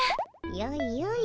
よいよい。